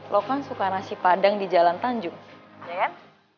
lo kan suka nasi padang di jalan tanjung ya kan